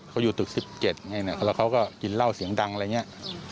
เขาอยู่ตึกสิบเจ็ดไงเนี่ยแล้วเขาก็ยินเล่าเสียงดังอะไรอย่างเงี้ย